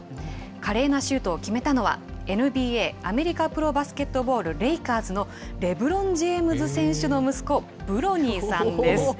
華麗なシュートを決めたのは、ＮＢＡ・アメリカプロバスケットボール・レイカーズのレブロン・ジェームズ選手の息子、ブロニーさんです。